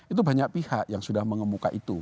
itu banyak pihak yang sudah mengemuka itu